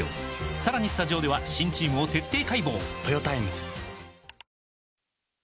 さらにスタジオでは新チームを徹底解剖！